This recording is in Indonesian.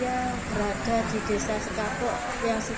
jadi saya tidak pernah diusir oleh warga sekapuk yang sepanjang kos di sini